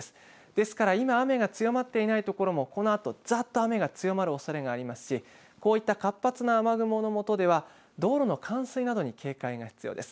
ですから今、雨が強まっていない所も、このあと、ざっと雨が強まるおそれがありますし、こういった活発な雨雲のもとでは道路の冠水などに警戒が必要です。